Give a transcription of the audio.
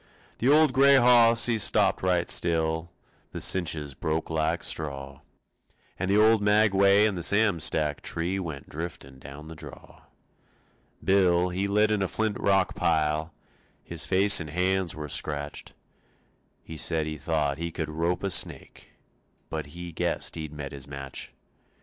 The old gray hoss he stopped right still; The cinches broke like straw, And the old maguey and the Sam Stack tree Went driftin' down the draw. Bill, he lit in a flint rock pile, His face and hands were scratched. He said he thought he could rope a snake But he guessed he'd met his match.